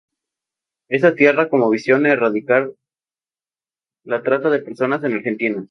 Esta tiene como visión erradicar la trata de personas en Argentina.